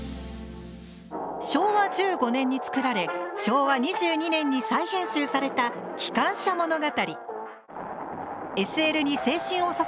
昭和１５年に作られ昭和２２年に再編集された「機関車物語」。